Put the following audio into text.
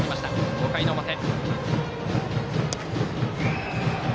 ５回の表。